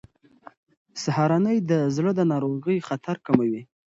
سهارنۍ د زړه د ناروغۍ خطر کموي.